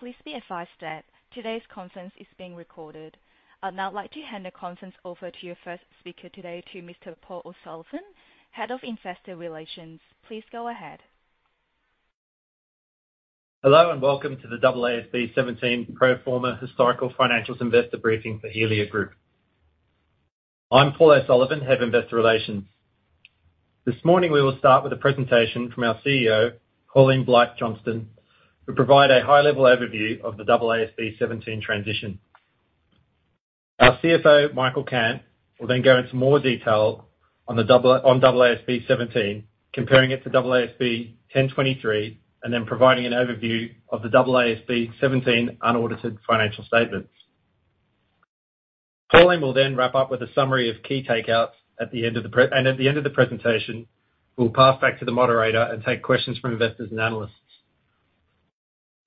Please be advised that today's conference is being recorded. I'd now like to hand the conference over to your first speaker today, to Mr. Paul O'Sullivan, Head of Investor Relations. Please go ahead. Hello, and welcome to the AASB 17 pro forma historical financials investor briefing for Helia Group. I'm Paul O'Sullivan, Head of Investor Relations. This morning, we will start with a presentation from our CEO Pauline Blight-Johnston, who'll provide a high-level overview of the AASB 17 transition. Our CFO Michael Cant will then go into more detail on AASB 17, comparing it to AASB 1023, and then providing an overview of the AASB 17 unaudited financial statements. Pauline will then wrap up with a summary of key takeouts at the end of the presentation. At the end of the presentation, we'll pass back to the moderator and take questions from investors and analysts.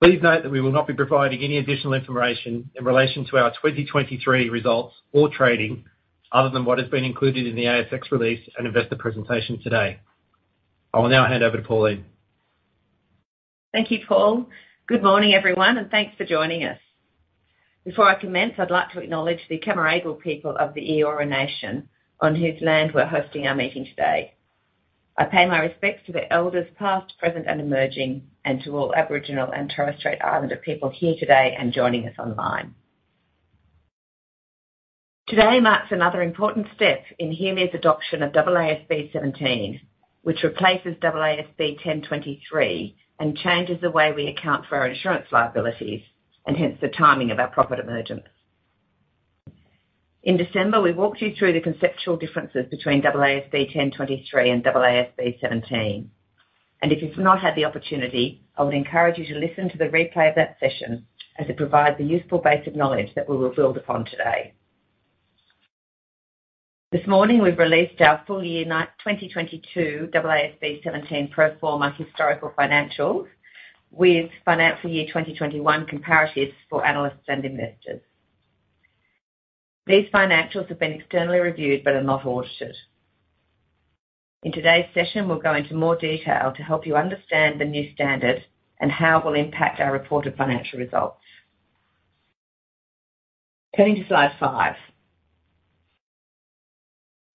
Please note that we will not be providing any additional information in relation to our 2023 results or trading, other than what has been included in the ASX release and investor presentation today. I will now hand over to Pauline. Thank you, Paul. Good morning, everyone, thanks for joining us. Before I commence, I'd like to acknowledge the Cammeraygal people of the Eora Nation, on whose land we're hosting our meeting today. I pay my respects to the elders past, present, and emerging, to all Aboriginal and Torres Strait Islander people here today and joining us online. Today marks another important step in Helia's adoption of AASB 17, which replaces AASB 1023 changes the way we account for our insurance liabilities, hence the timing of our profit emergence. In December, we walked you through the conceptual differences between AASB 1023 and AASB 17. If you've not had the opportunity, I would encourage you to listen to the replay of that session, as it provides a useful base of knowledge that we will build upon today. This morning, we've released our full year 2022 AASB 17 pro forma historical financials with financial year 2021 comparatives for analysts and investors. These financials have been externally reviewed but are not audited. In today's session, we'll go into more detail to help you understand the new standard and how it will impact our reported financial results. Turning to slide five.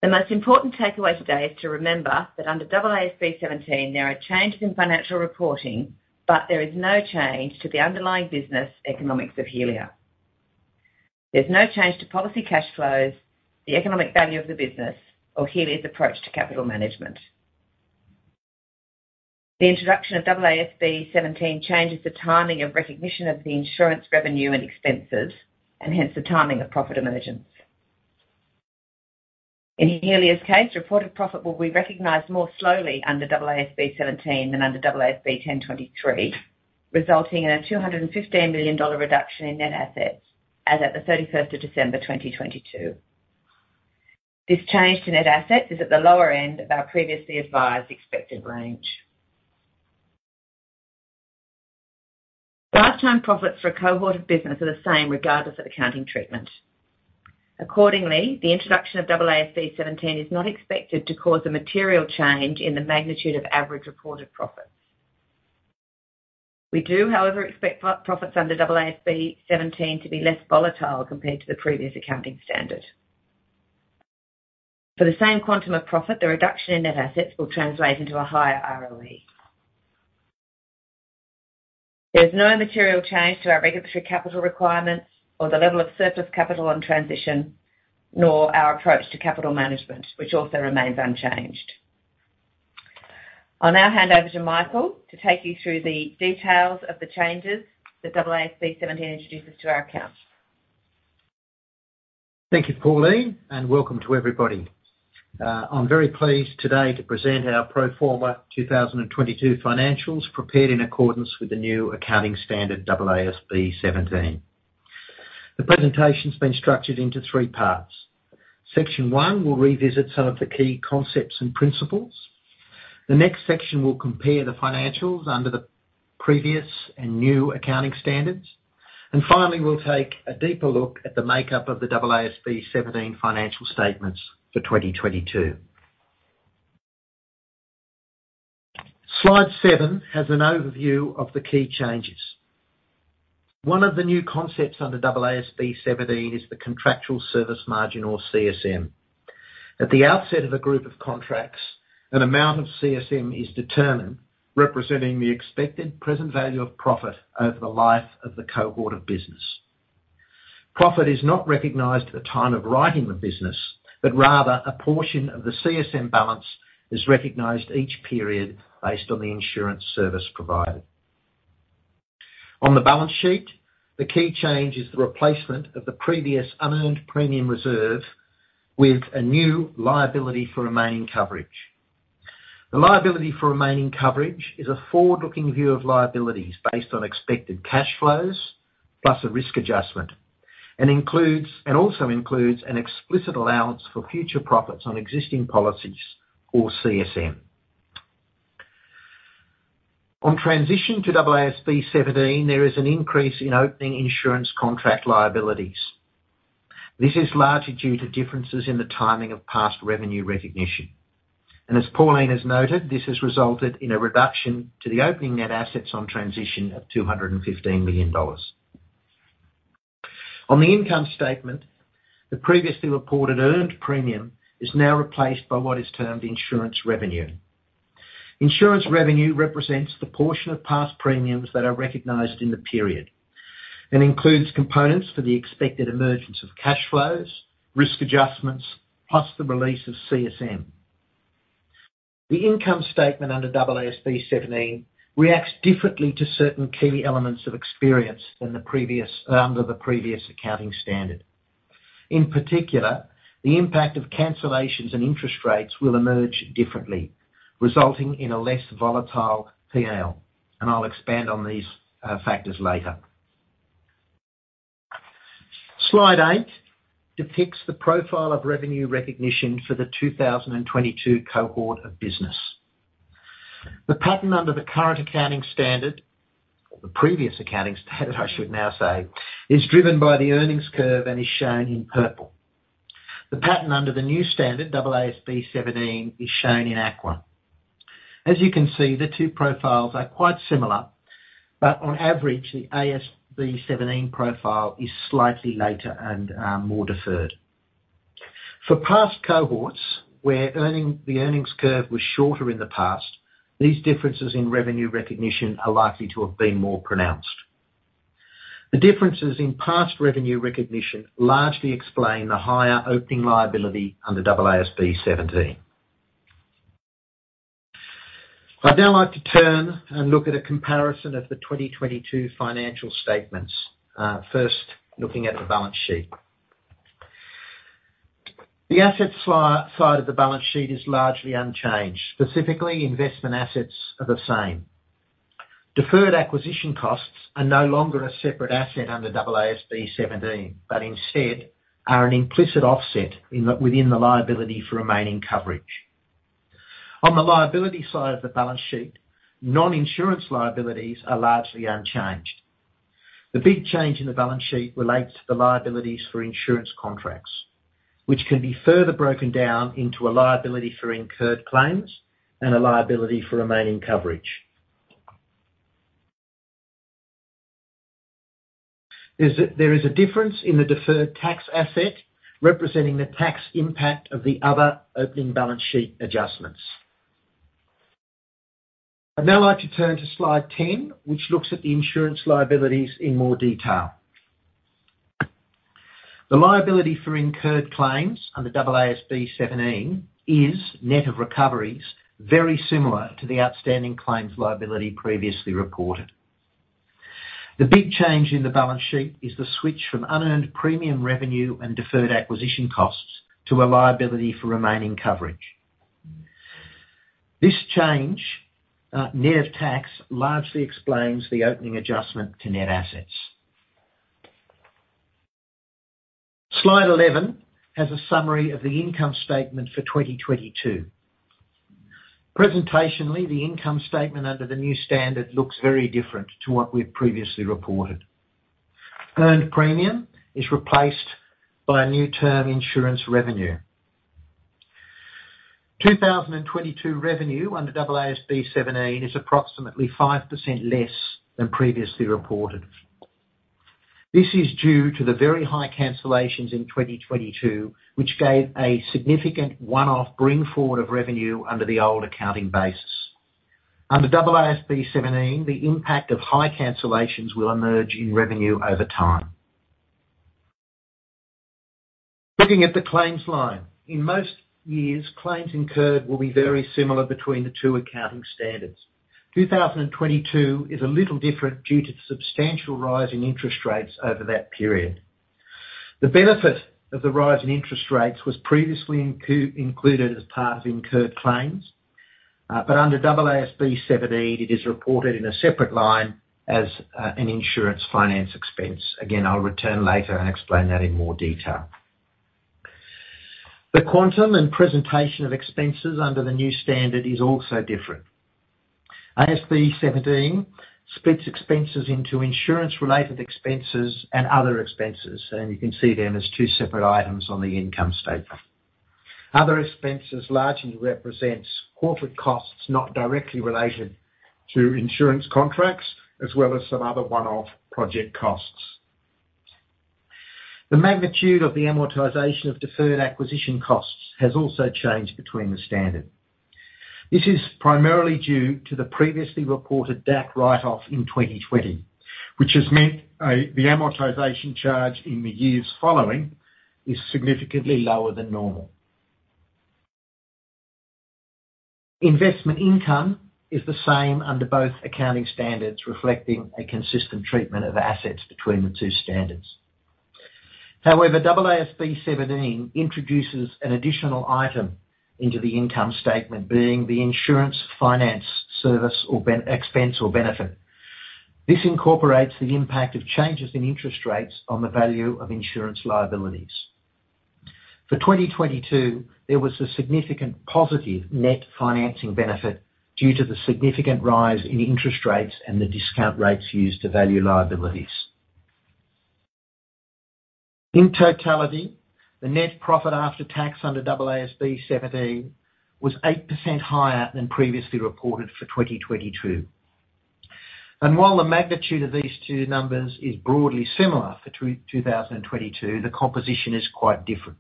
The most important takeaway today is to remember that under AASB 17, there are changes in financial reporting, but there is no change to the underlying business economics of Helia. There's no change to policy cash flows, the economic value of the business, or Helia's approach to capital management. The introduction of AASB 17 changes the timing of recognition of the insurance revenue and expenses, hence the timing of profit emergence. In Helia's case, reported profit will be recognized more slowly under AASB 17 than under AASB 1023, resulting in a 215 million dollar reduction in net assets as at the of December 31st 2022. This change to net assets is at the lower end of our previously advised expected range. Lifetime profits for a cohort of business are the same regardless of accounting treatment. Accordingly, the introduction of AASB 17 is not expected to cause a material change in the magnitude of average reported profits. We do, however, expect profits under AASB 17 to be less volatile compared to the previous accounting standard. For the same quantum of profit, the reduction in net assets will translate into a higher ROE. There is no material change to our regulatory capital requirements or the level of surplus capital on transition, nor our approach to capital management, which also remains unchanged. I'll now hand over to Michael to take you through the details of the changes that AASB 17 introduces to our accounts. Thank you, Pauline, and welcome to everybody. I'm very pleased today to present our pro forma 2022 financials prepared in accordance with the new accounting standard AASB 17. The presentation's been structured into three parts. Section 1 will revisit some of the key concepts and principles. The next section will compare the financials under the previous and new accounting standards. Finally, we'll take a deeper look at the makeup of the AASB 17 financial statements for 2022. Slide seven has an overview of the key changes. One of the new concepts under AASB 17 is the Contractual Service Margin or CSM. At the outset of a group of contracts, an amount of CSM is determined, representing the expected present value of profit over the life of the cohort of business. Profit is not recognized at the time of writing the business, but rather a portion of the CSM balance is recognized each period based on the insurance service provided. On the balance sheet, the key change is the replacement of the previous unearned premium reserve with a new Liability for Remaining Coverage. The Liability for Remaining Coverage is a forward-looking view of liabilities based on expected cash flows, plus a risk adjustment, and also includes an explicit allowance for future profits on existing policies, or CSM. On transition to AASB 17, there is an increase in opening insurance contract liabilities. As Pauline has noted, this has resulted in a reduction to the opening net assets on transition of 215 million dollars. On the income statement, the previously reported earned premium is now replaced by what is termed insurance revenue. Insurance revenue represents the portion of past premiums that are recognized in the period, and includes components for the expected emergence of cash flows, risk adjustments, plus the release of CSM. The income statement under AASB 17 reacts differently to certain key elements of experience than under the previous accounting standard. In particular, the impact of cancellations and interest rates will emerge differently, resulting in a less volatile P&L, and I'll expand on these factors later. Slide eight depicts the profile of revenue recognition for the 2022 cohort of business. The pattern under the current accounting standard, the previous accounting standard I should now say, is driven by the earnings curve and is shown in purple. The pattern under the new standard, AASB 17 is shown in aqua. As you can see, the two profiles are quite similar, but on average, the AASB 17 profile is slightly later and more deferred. For past cohorts, where the earnings curve was shorter in the past, these differences in revenue recognition are likely to have been more pronounced. The differences in past revenue recognition largely explain the higher opening liability under AASB 17. I'd now like to turn and look at a comparison of the 2022 financial statements. First looking at the balance sheet. The asset side of the balance sheet is largely unchanged. Specifically, investment assets are the same. Deferred Acquisition Costs are no longer a separate asset under AASB 17, but instead are an implicit offset within the Liability for Remaining Coverage. On the liability side of the balance sheet, non-insurance liabilities are largely unchanged. The big change in the balance sheet relates to the liabilities for insurance contracts, which can be further broken down into a liability for incurred claims and a Liability for Remaining Coverage. There is a difference in the Deferred Tax Asset representing the tax impact of the other opening balance sheet adjustments. I'd now like to turn to slide 10, which looks at the insurance liabilities in more detail. The liability for incurred claims under AASB 17 is net of recoveries, very similar to the outstanding claims liability previously reported. The big change in the balance sheet is the switch from unearned premium revenue and Deferred Acquisition Costs to a Liability for Remaining Coverage. This change, net of tax, largely explains the opening adjustment to net assets. Slide 11 has a summary of the income statement for 2022. Presentationally, the income statement under the new standard looks very different to what we've previously reported. Earned premium is replaced by a new term insurance revenue. 2022 revenue under AASB 17 is approximately 5% less than previously reported. This is due to the very high cancellations in 2022, which gave a significant one-off bring forward of revenue under the old accounting basis. Under AASB 17, the impact of high cancellations will emerge in revenue over time. Looking at the claims line. In most years, claims incurred will be very similar between the two accounting standards. 2022 is a little different due to the substantial rise in interest rates over that period. The benefit of the rise in interest rates was previously included as part of incurred claims, under AASB 17, it is reported in a separate line as an insurance finance expense. Again, I'll return later and explain that in more detail. The quantum and presentation of expenses under the new standard is also different. AASB 17 splits expenses into insurance-related expenses and other expenses, you can see them as two separate items on the income statement. Other expenses largely represents corporate costs not directly related to insurance contracts, as well as some other one-off project costs. The magnitude of the amortization of Deferred Acquisition Costs has also changed between the standard. This is primarily due to the previously reported DAC write-off in 2020, which has meant the amortization charge in the years following is significantly lower than normal. Investment income is the same under both accounting standards, reflecting a consistent treatment of assets between the two standards. However, AASB 17 introduces an additional item into the income statement, being the insurance finance service or expense or benefit. This incorporates the impact of changes in interest rates on the value of insurance liabilities. For 2022, there was a significant positive net financing benefit due to the significant rise in interest rates and the discount rates used to value liabilities. In totality, the Net Profit After Tax under AASB 17 was 8% higher than previously reported for 2022. While the magnitude of these two numbers is broadly similar for 2022, the composition is quite different.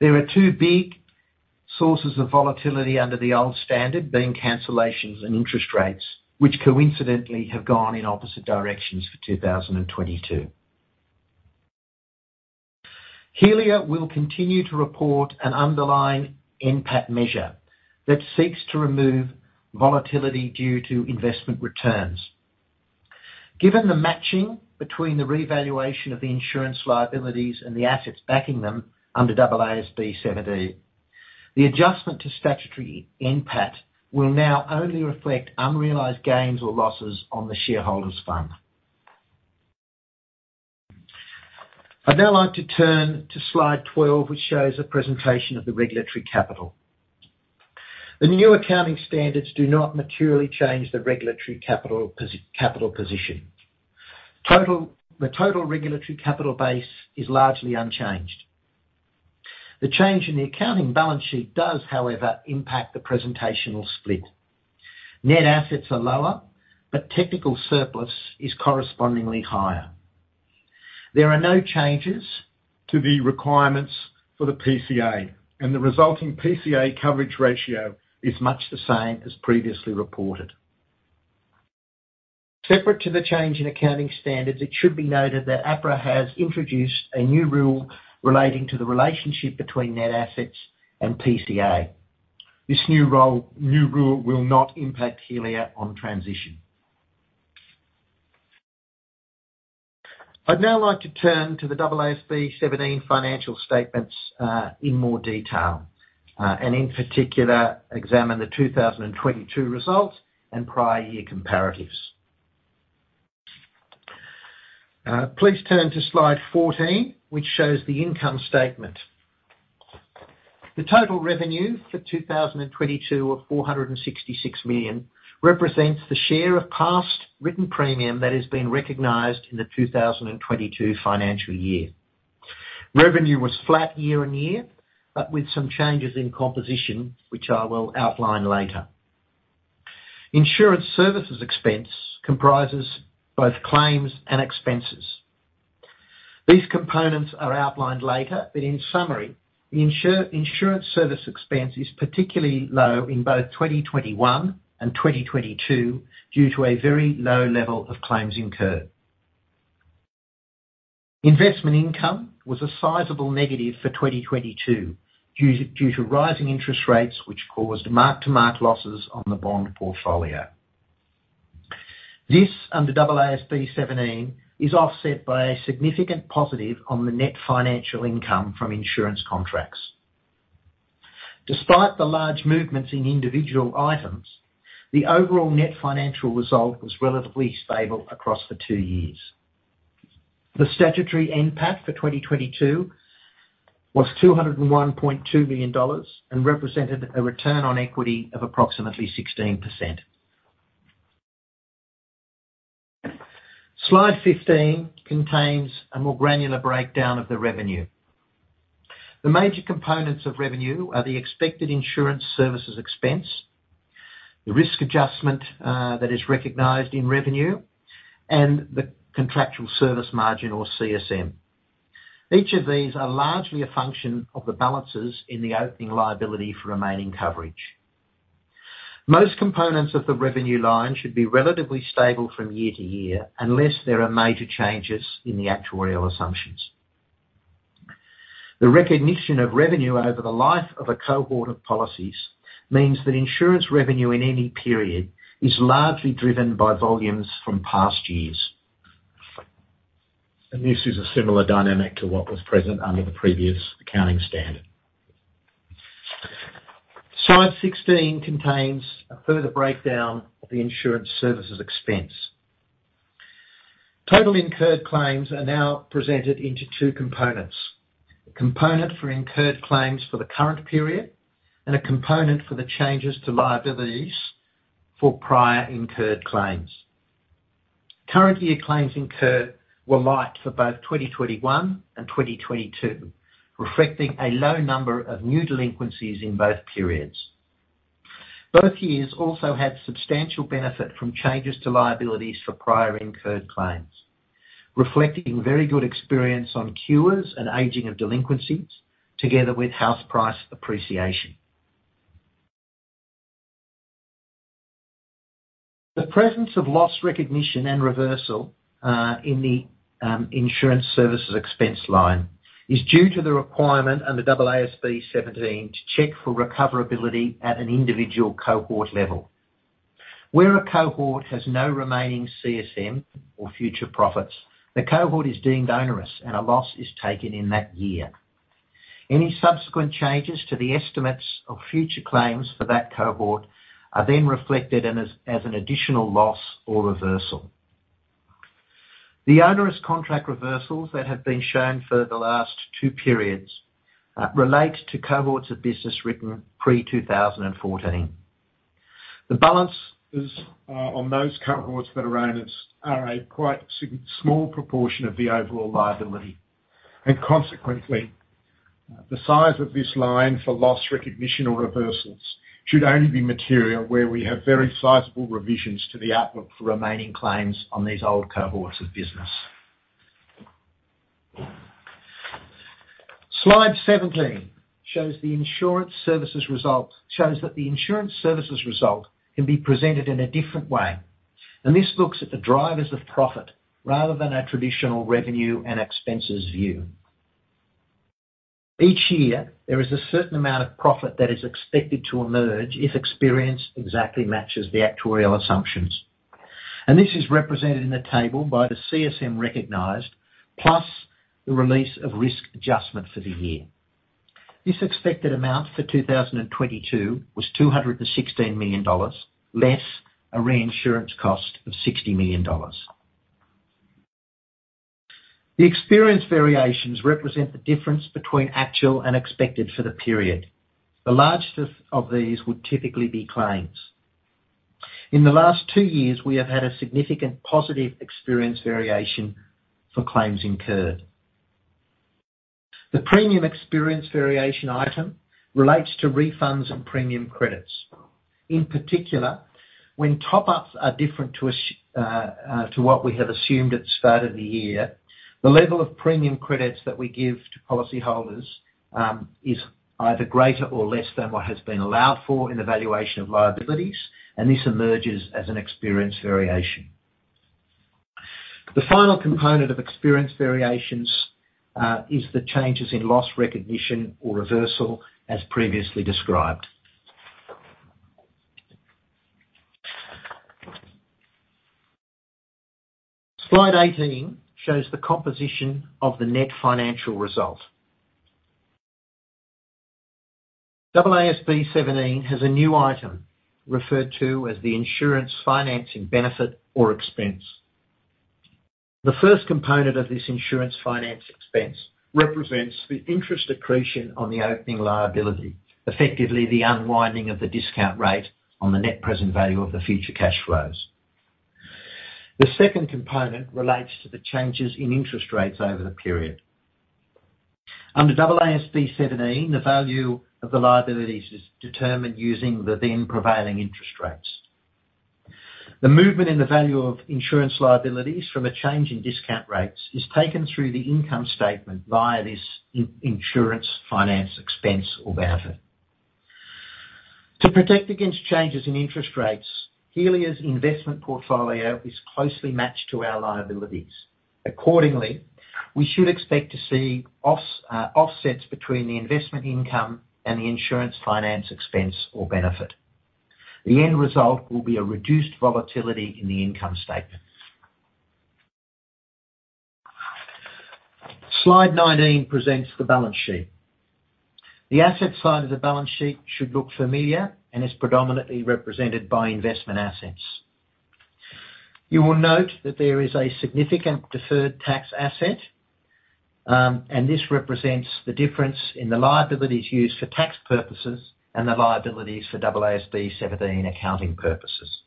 There are two big sources of volatility under the old standard, being cancellations and interest rates, which coincidentally have gone in opposite directions for 2022. Helia will continue to report an underlying NPAT measure that seeks to remove volatility due to investment returns. Given the matching between the revaluation of the insurance liabilities and the assets backing them under AASB 17, the adjustment to statutory NPAT will now only reflect unrealized gains or losses on the shareholders' funds. I'd now like to turn to slide 12, which shows a presentation of the regulatory capital. The new accounting standards do not materially change the regulatory capital position. The total regulatory capital base is largely unchanged. The change in the accounting balance sheet does, however, impact the presentational split. Net assets are lower, but technical surplus is correspondingly higher. There are no changes to the requirements for the PCA, and the resulting PCA coverage ratio is much the same as previously reported. Separate to the change in accounting standards, it should be noted that APRA has introduced a new rule relating to the relationship between net assets and PCA. This new rule will not impact Helia on transition. I'd now like to turn to the AASB 17 financial statements in more detail, and in particular, examine the 2022 results and prior year comparatives. Please turn to slide 14, which shows the income statement. The total revenue for 2022 of 466 million represents the share of past written premium that has been recognized in the 2022 financial year. Revenue was flat year-over-year, with some changes in composition, which I will outline later. insurance services expense comprises both claims and expenses. These components are outlined later, but in summary, the insurance service expense is particularly low in both 2021 and 2022 due to a very low level of claims incurred. Investment income was a sizable negative for 2022 due to rising interest rates, which caused mark-to-market losses on the bond portfolio. This, under AASB 17, is offset by a significant positive on the net financial income from insurance contracts. Despite the large movements in individual items, the overall net financial result was relatively stable across the two years. The statutory NPAT for 2022 was 201.2 million dollars and represented a Return on Equity of approximately 16%. Slide 15 contains a more granular breakdown of the revenue. The major components of revenue are the expected insurance service expenses, the risk adjustment, that is recognized in revenue, and the Contractual Service Margin or CSM. Each of these are largely a function of the balances in the opening Liability for Remaining Coverage. Most components of the revenue line should be relatively stable from year to year, unless there are major changes in the actuarial assumptions. The recognition of revenue over the life of a cohort of policies means that insurance revenue in any period is largely driven by volumes from past years. This is a similar dynamic to what was present under the previous accounting standard. Slide 16 contains a further breakdown of the insurance service expenses. Total incurred claims are now presented into two components. A component for incurred claims for the current period, and a component for the changes to liabilities for prior incurred claims. Current year claims incurred were light for both 2021 and 2022, reflecting a low number of new delinquencies in both periods. Both years also had substantial benefit from changes to liabilities for prior incurred claims, reflecting very good experience on cures and aging of delinquencies together with house price appreciation. The presence of loss recognition and reversal in the insurance service expenses line is due to the requirement under AASB 17 to check for recoverability at an individual cohort level. Where a cohort has no remaining CSM or future profits, the cohort is deemed onerous and a loss is taken in that year. Any subsequent changes to the estimates of future claims for that cohort are then reflected in as an additional loss or reversal. The onerous contract reversals that have been shown for the last two periods relate to cohorts of business written pre 2014. The balances on those cohorts that are onerous are a quite small proportion of the overall liability. Consequently, the size of this line for loss recognition or reversals should only be material where we have very sizable revisions to the outlook for remaining claims on these old cohorts of business. Slide 17 shows that the insurance services result can be presented in a different way, and this looks at the drivers of profit rather than a traditional revenue and expenses view. Each year, there is a certain amount of profit that is expected to emerge if experience exactly matches the actuarial assumptions. This is represented in the table by the CSM recognized, plus the release of risk adjustment for the year. This expected amount for 2022 was 216 million dollars, less a reinsurance cost of 60 million dollars. The experience variations represent the difference between actual and expected for the period. The largest of these would typically be claims. In the last two years, we have had a significant positive experience variation for claims incurred. The premium experience variation item relates to refunds and premium credits. In particular, when top-ups are different to what we have assumed at the start of the year, the level of premium credits that we give to policyholders is either greater or less than what has been allowed for in the valuation of liabilities. This emerges as an experience variation. The final component of experience variations is the changes in loss recognition or reversal, as previously described. Slide 18 shows the composition of the net financial result. AASB 17 has a new item referred to as the insurance financing benefit or expense. The first component of this insurance finance expense represents the interest accretion on the opening liability, effectively the unwinding of the discount rate on the net present value of the future cash flows. The second component relates to the changes in interest rates over the period. Under AASB 17, the value of the liabilities is determined using the then prevailing interest rates. The movement in the value of insurance liabilities from a change in discount rates is taken through the income statement via this insurance finance expense or benefit. To protect against changes in interest rates, Helia's investment portfolio is closely matched to our liabilities. We should expect to see offsets between the investment income and the insurance finance expense or benefit. The end result will be a reduced volatility in the income statement. Slide 19 presents the balance sheet. The asset side of the balance sheet should look familiar and is predominantly represented by investment assets. You will note that there is a significant Deferred Tax Asset, this represents the difference in the liabilities used for tax purposes and the liabilities for AASB 17 accounting purposes.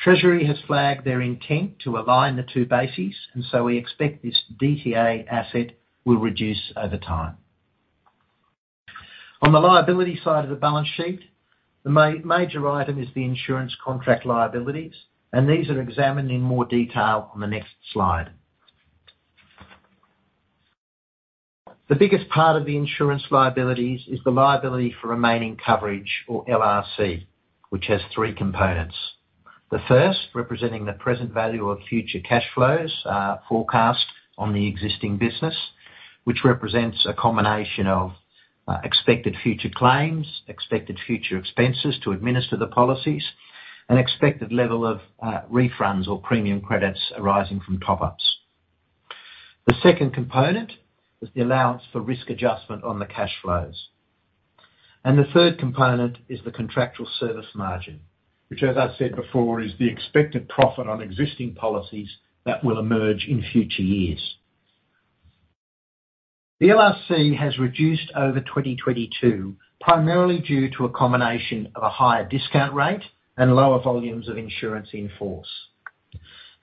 Treasury has flagged their intent to align the two bases, we expect this DTA asset will reduce over time. On the liability side of the balance sheet, the major item is the insurance contract liabilities, these are examined in more detail on the next slide. The biggest part of the insurance liabilities is the Liability for Remaining Coverage, or LRC, which has three components. The first, representing the present value of future cash flows, forecast on the existing business, which represents a combination of expected future claims, expected future expenses to administer the policies, and expected level of refunds or premium credits arising from top-ups. The second component is the allowance for risk adjustment on the cash flows. The third component is the Contractual Service Margin, which, as I said before, is the expected profit on existing policies that will emerge in future years. The LRC has reduced over 2022, primarily due to a combination of a higher discount rate and lower volumes of insurance in force.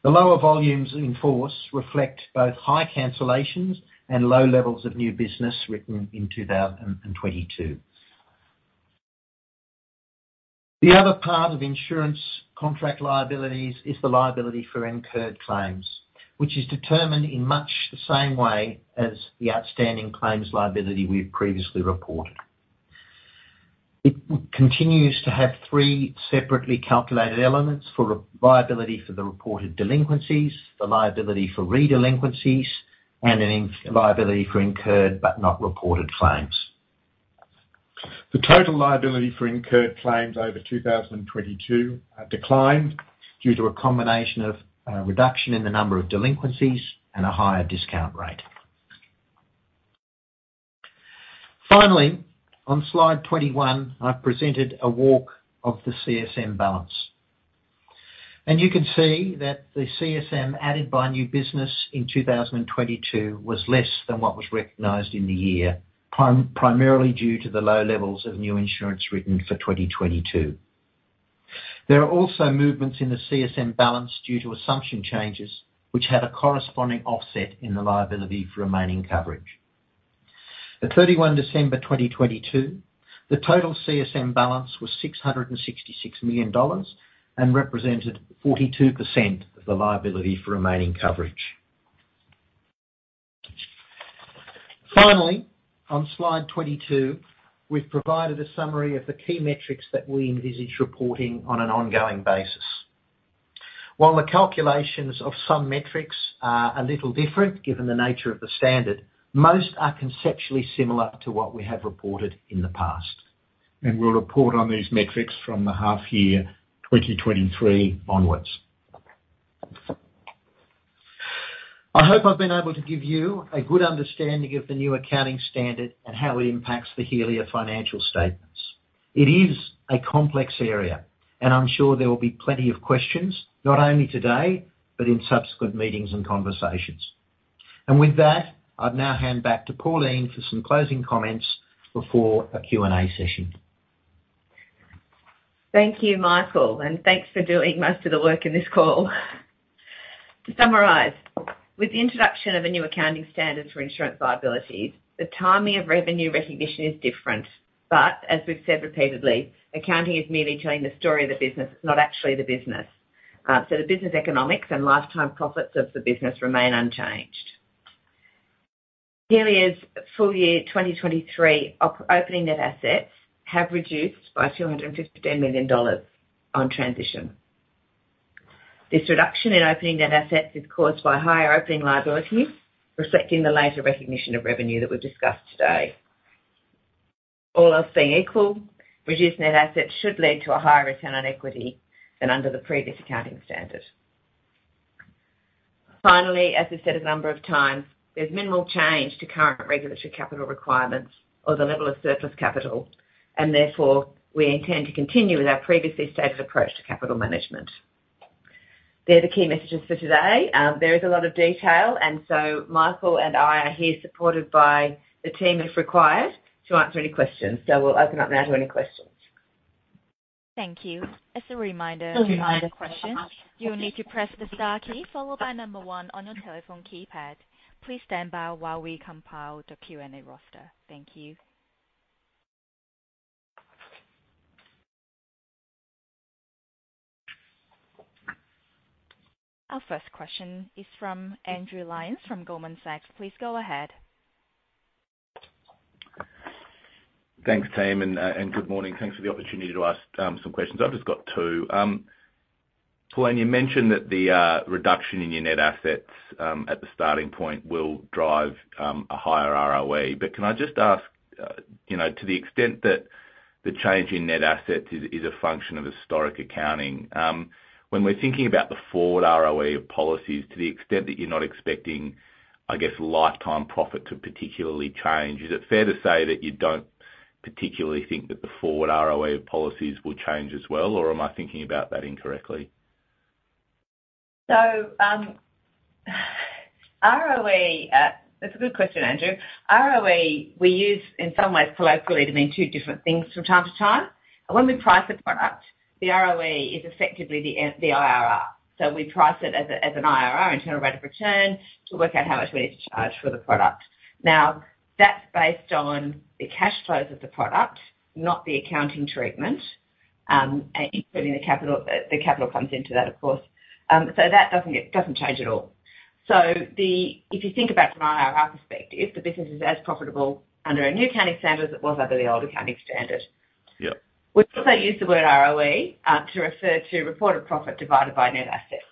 The lower volumes in force reflect both high cancellations and low levels of new business written in 2022. The other part of insurance contract liabilities is the liability for incurred claims, which is determined in much the same way as the outstanding claims liability we've previously reported. It continues to have three separately calculated elements for liability for the reported delinquencies, the liability for re-delinquencies, and a liability for incurred but not reported claims. The total liability for incurred claims over 2022 have declined due to a combination of reduction in the number of delinquencies and a higher discount rate. On slide 21, I've presented a walk of the CSM balance. You can see that the CSM added by new business in 2022 was less than what was recognized in the year, primarily due to the low levels of new insurance written for 2022. There are also movements in the CSM balance due to assumption changes which had a corresponding offset in the Liability for Remaining Coverage. At December 31 2022, the total CSM balance was $666 million and represented 42% of the Liability for Remaining Coverage. On slide 22, we've provided a summary of the key metrics that we envisage reporting on an ongoing basis. While the calculations of some metrics are a little different, given the nature of the standard, most are conceptually similar to what we have reported in the past. We'll report on these metrics from the half year 2023 onwards. I hope I've been able to give you a good understanding of the new accounting standard and how it impacts the Helia financial statements. It is a complex area, and I'm sure there will be plenty of questions, not only today, but in subsequent meetings and conversations. With that, I'd now hand back to Pauline for some closing comments before a Q&A session. Thank you, Michael. Thanks for doing most of the work in this call. To summarize, with the introduction of a new accounting standard for insurance liabilities, the timing of revenue recognition is different. As we've said repeatedly, accounting is merely telling the story of the business, not actually the business. The business economics and lifetime profits of the business remain unchanged. Helia's full year 2023 opening net assets have reduced by 250 million dollars on transition. This reduction in opening net assets is caused by higher opening liabilities, reflecting the later recognition of revenue that we've discussed today. All else being equal, reduced net assets should lead to a higher Return on Equity than under the previous accounting standard. Finally, as we've said a number of times, there's minimal change to current regulatory capital requirements or the level of surplus capital, and therefore we intend to continue with our previously stated approach to capital management. They're the key messages for today. There is a lot of detail, Michael and I are here supported by the team if required to answer any questions. We'll open up now to any questions. Thank you. As a reminder to ask questions, you will need to press the star key followed by one on your telephone keypad. Please stand by while we compile the Q&A roster. Thank you. Our first question is from Andrew Lyons from Goldman Sachs. Please go ahead. Thanks, team, and good morning. Thanks for the opportunity to ask some questions. I've just got two. Pauline, you mentioned that the reduction in your net assets at the starting point will drive a higher ROE. Can I just ask, you know, to the extent that the change in net assets is a function of historic accounting, when we're thinking about the forward ROE of policies to the extent that you're not expecting, I guess, lifetime profit to particularly change, is it fair to say that you don't particularly think that the forward ROE policies will change as well, or am I thinking about that incorrectly? ROA. That's a good question, Andrew. ROA, we use in some ways colloquially to mean two different things from time to time. When we price a product, the ROE is effectively the IRR. We price it as an IRR, Internal Rate of Return, to work out how much we need to charge for the product. That's based on the cash flows of the product, not the accounting treatment, including the capital. The capital comes into that, of course. That doesn't change at all. If you think about from an IRR perspective, the business is as profitable under a new accounting standard as it was under the old accounting standard. Yeah. We also use the word ROE to refer to reported profit divided by net assets.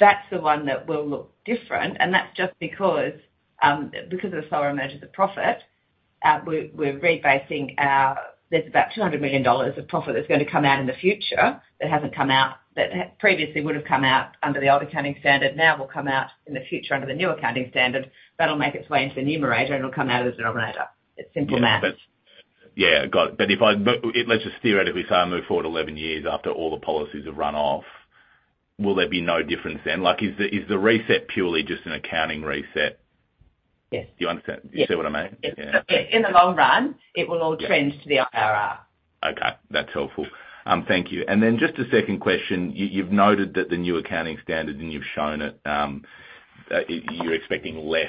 That's the one that will look different, and that's just because because of the slower emergence of profit. We're rebasing. There's about 200 million dollars of profit that's gonna come out in the future that hasn't come out, that previously would have come out under the old accounting standard, now will come out in the future under the new accounting standard. That'll make its way into the numerator, and it will come out of the denominator. It's simple math. Yeah. Yeah, got it. Let's just theoretically say I move forward 11 years after all the policies have run off. Will there be no difference then? Like, is the reset purely just an accounting reset? Yes. Do you understand? Yes. Do you see what I mean? Yes. In the long run, it will all trend to the IRR. Okay. That's helpful. Thank you. Just a second question. You've noted that the new accounting standard, and you've shown it, you're expecting less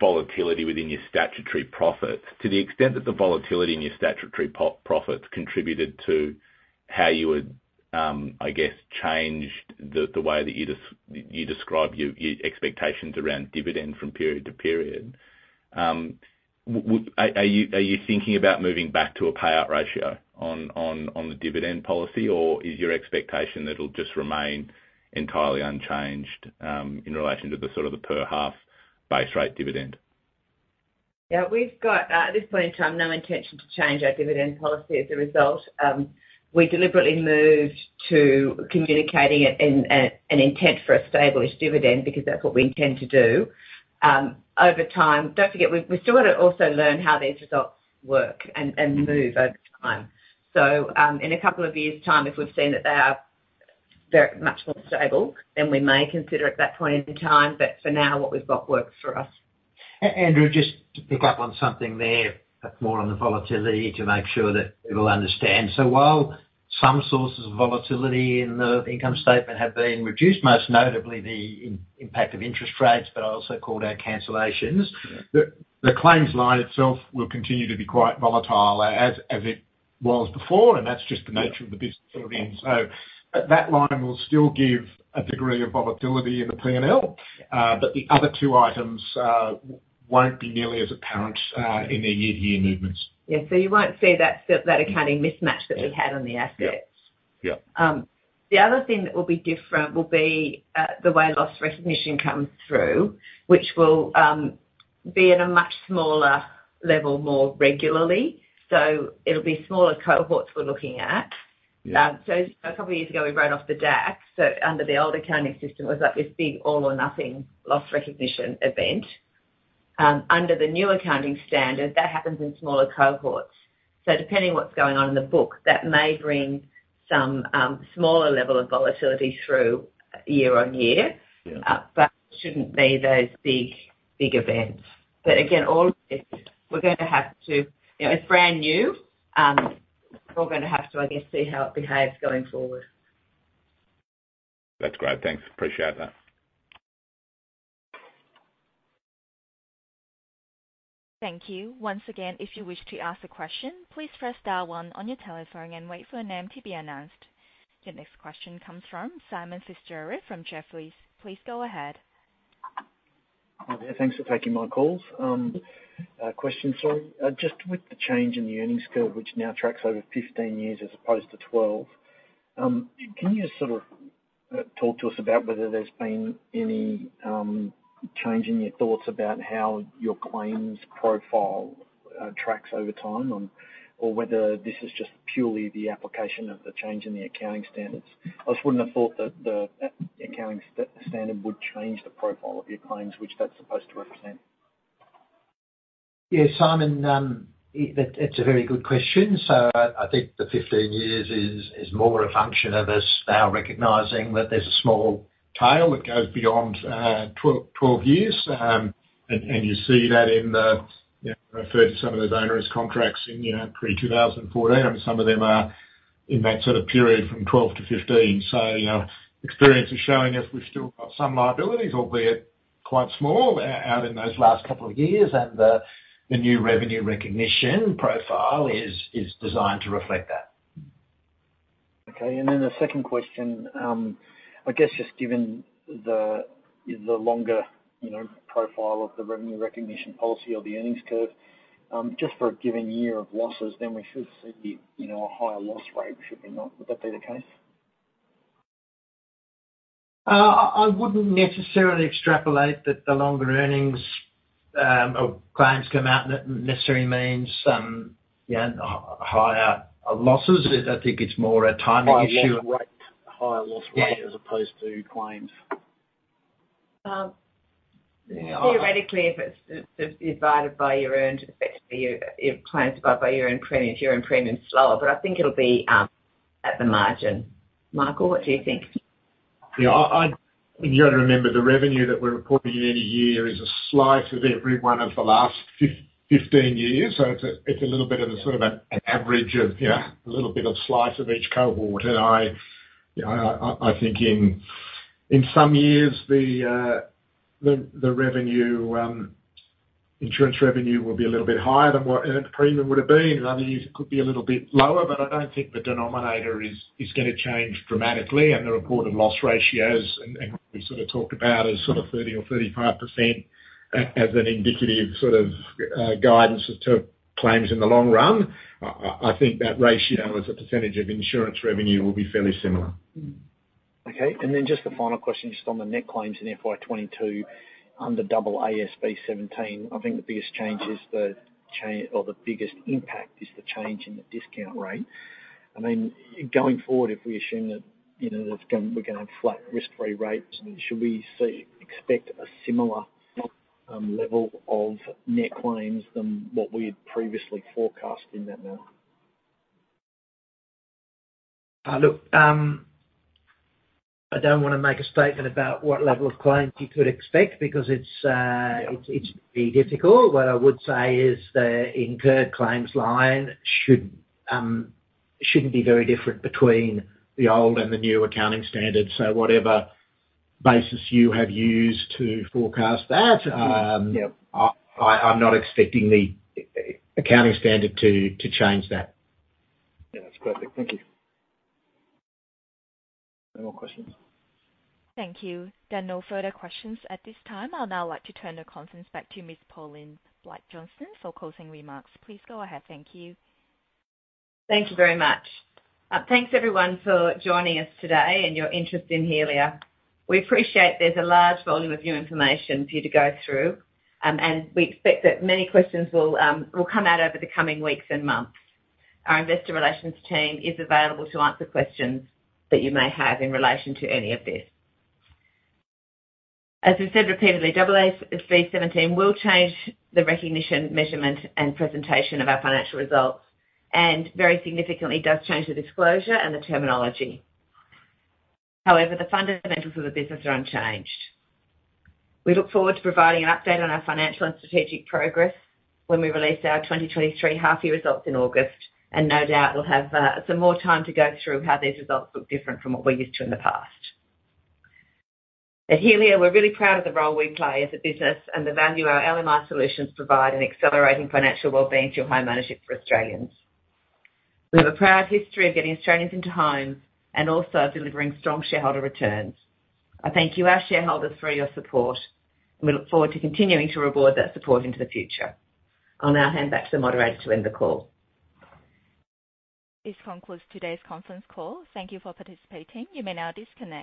volatility within your statutory profits. To the extent that the volatility in your statutory profits contributed to how you would, I guess, change the way that you describe your expectations around dividend from period to period, are you thinking about moving back to a payout ratio on the dividend policy, or is your expectation that it'll just remain entirely unchanged in relation to the sort of the per half base rate dividend? Yeah, we've got, at this point in time, no intention to change our dividend policy as a result. We deliberately moved to communicating it in an intent for a stable-ish dividend because that's what we intend to do. Over time, don't forget, we still gotta also learn how these results work and move over time. In a couple of years' time, if we've seen that they are very much more stable, then we may consider at that point in time, but for now, what we've got works for us. Andrew, just to pick up on something there, more on the volatility to make sure that people understand. While some sources of volatility in the income statement have been reduced, most notably the impact of interest rates, I also called out cancellations. Yeah. The claims line itself will continue to be quite volatile as it was before, and that's just the nature of the business that we're in. That line will still give a degree of volatility in the P&L. But the other two items won't be nearly as apparent in their year-to-year movements. You won't see that accounting mismatch that we had on the assets. Yeah. Yeah. The other thing that will be different will be the way loss recognition comes through, which will be at a much smaller level more regularly. It'll be smaller cohorts we're looking at. Yeah. A couple of years ago, we wrote off the DAC. Under the old accounting system, it was like this big all or nothing loss recognition event. Under the new accounting standard, that happens in smaller cohorts. Depending on what's going on in the book, that may bring some smaller level of volatility through year-on-year. Yeah. shouldn't be those big events. Again, all of this, You know, it's brand new. We're gonna have to, I guess, see how it behaves going forward. That's great. Thanks. Appreciate that. Thank you. Once again, if you wish to ask a question, please press dial one on your telephone and wait for your name to be announced. Your next question comes from Simon Fitzgerald from Jefferies. Please go ahead. Hi there. Thanks for taking my calls. A question, sorry. Just with the change in the earnings curve, which now tracks over 15 years as opposed to 12, can you sort of talk to us about whether there's been any change in your thoughts about how your claims profile tracks over time? Or whether this is just purely the application of the change in the accounting standards? I just wouldn't have thought that the accounting standard would change the profile of your claims, which that's supposed to represent. Yeah, Simon, that's a very good question. I think the 15 years is more a function of us now recognizing that there's a small tail that goes beyond 12 years. You see that in the referred to some of those onerous contracts in pre-2014, and some of them are in that sort of period from 12 to 15. Experience is showing us we've still got some liabilities, albeit quite small, out in those last couple of years. The new revenue recognition profile is designed to reflect that. Okay. Then the second question, I guess just given the longer, you know, profile of the revenue recognition policy or the earnings curve, just for a given year of losses, then we should see, you know, a higher loss rate, should we not? Would that be the case? I wouldn't necessarily extrapolate that the longer earnings, or claims come out necessarily means, higher, losses. I think it's more a timing issue of. Higher loss rate. Higher loss rate as opposed to claims. Um- Yeah. Theoretically, if it's divided by your earned effects for your claims by your earned premium, if your earned premium is slower, I think it'll be at the margin. Michael, what do you think? You got to remember the revenue that we're reporting in a year is a slice of every one of the last 15 years. It's a little bit of a, sort of an average of, you know, a little bit of slice of each cohort. I think in some years the revenue, insurance revenue will be a little bit higher than what earned premium would have been. In other years, it could be a little bit lower. I don't think the denominator is going to change dramatically. The reported loss ratios, and we sort of talked about is sort of 30% or 35% as an indicative sort of guidance as to claims in the long run. I think that ratio as a percentage of insurance revenue will be fairly similar. Okay. Just a final question, just on the net claims in FY 2022 under AASB 17. I think the biggest change is the biggest impact is the change in the discount rate. I mean, going forward, if we assume that, you know, we're gonna have flat risk-free rates, should we expect a similar level of net claims than what we had previously forecast in that now? look, I don't wanna make a statement about what level of claims you could expect because it's. Yeah. It's pretty difficult. What I would say is the incurred claims line shouldn't be very different between the old and the new accounting standards. Whatever basis you have used to forecast that. Yeah. I'm not expecting the accounting standard to change that. Yeah, that's perfect. Thank you. No more questions. Thank you. There are no further questions at this time. I'll now like to turn the conference back to Ms. Pauline Blight-Johnston for closing remarks. Please go ahead. Thank you. Thank you very much. Thanks everyone for joining us today and your interest in Helia. We appreciate there's a large volume of new information for you to go through, and we expect that many questions will come out over the coming weeks and months. Our investor relations team is available to answer questions that you may have in relation to any of this. As we said repeatedly, AASB 17 will change the recognition, measurement, and presentation of our financial results, and very significantly does change the disclosure and the terminology. However, the fundamentals of the business are unchanged. We look forward to providing an update on our financial and strategic progress when we release our 2023 half year results in August. No doubt we'll have some more time to go through how these results look different from what we're used to in the past. At Helia, we're really proud of the role we play as a business and the value our LMI solutions provide in accelerating financial wellbeing to home ownership for Australians. We have a proud history of getting Australians into homes and also delivering strong shareholder returns. I thank you, our shareholders, for your support. We look forward to continuing to reward that support into the future. I'll now hand back to the moderator to end the call. This concludes today's conference call. Thank you for participating. You may now disconnect.